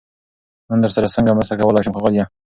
نن درسره سنګه مرسته کولای شم ښاغليه🤗